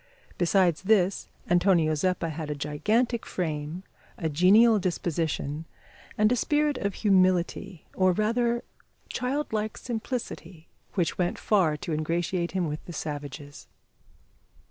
Besides this, Antonio Zeppa had a gigantic frame, a genial disposition, and a spirit of humility, or rather childlike simplicity, which went far to ingratiate him with the savages.